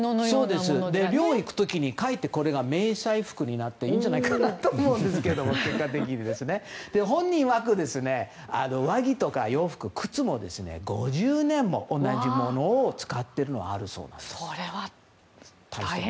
猟に行く時に、かえってこれが迷彩服になっていいんじゃないかなと思いますけど、本人いわく上着とか洋服、靴も５０年も同じものを使っているのがあるようです。